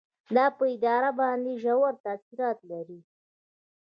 دا په اداره باندې ژور تاثیرات لري.